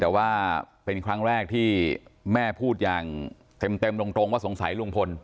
แต่ว่าเป็นครั้งแรกที่แม่พูดอย่างเต็มตรงว่าสงสัยลุงพล